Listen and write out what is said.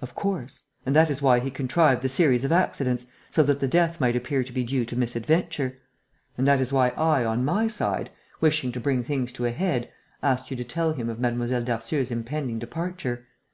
"Of course; and that is why he contrived the series of accidents, so that the death might appear to be due to misadventure. And that is why I, on my side, wishing to bring things to a head, asked you to tell him of Mlle. Darcieux's impending departure.